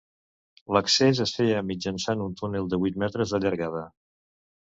L'accés es feia mitjançant un túnel de vuit metres d'allargada.